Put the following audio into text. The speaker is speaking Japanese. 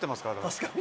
確かに。